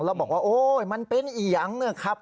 แล้วบอกว่ามันเป็นอี๋ยังเนี่ยครับ